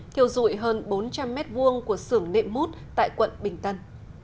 thiêu dụi hơn bốn trăm linh mét vuông của xưởng nệm mút tại quận bình tân